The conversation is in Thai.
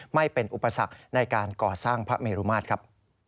ไม่เป็นอุปสรรคในการก่อสร้างพระเมรุมาตรครับ